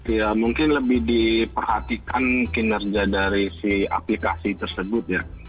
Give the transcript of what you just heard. ya mungkin lebih diperhatikan kinerja dari si aplikasi tersebut ya